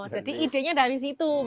jadi idenya dari situ pak